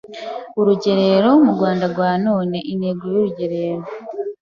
Urugerero mu Rwanda rwa none (intego y’urugerero,